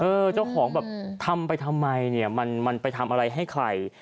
เจ้าของแบบทำไปทำไมเนี่ยมันไปทำอะไรให้ใคร